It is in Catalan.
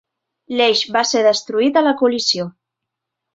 L'eix va ser destruït a la col·lisió.